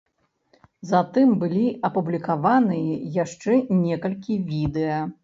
Затым былі апублікаваныя яшчэ некалькі відэа.